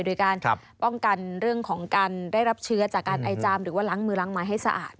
โดยการป้องกันเรื่องของการได้รับเชื้อจากการไอจามหรือว่าล้างมือล้างไม้ให้สะอาด